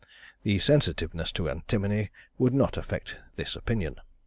The sensitiveness to antimony would not affect this opinion.